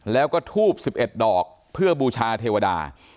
แล้วก็ทูบ๑๑ดอกเพื่อบูชาเทวดา